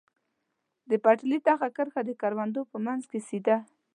د پټلۍ دغه کرښه د کروندو په منځ کې سیده.